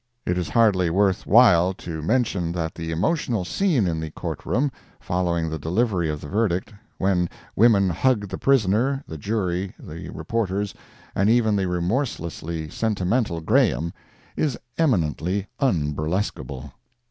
It is hardly worth while to mention that the emotional scene in the court room, following the delivery of the verdict, when women hugged the prisoner, the jury, the reporters, and even the remorselessly sentimental Graham, is eminently unburlesquable.